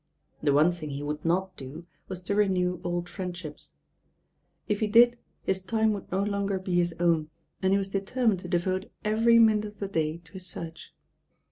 The one thing he would not do was to renew old friendships. If he did his time would no longer M THE RAIN OIRL be hit own, and he wat determined to devote every minute of the day to his search.